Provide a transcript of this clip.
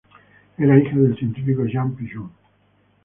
Era hija del científico Jean Pigeon.